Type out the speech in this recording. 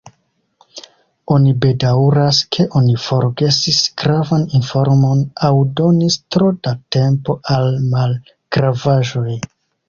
Oni bedaŭras, ke oni forgesis gravan informon, aŭ donis tro da tempo al malgravaĵoj.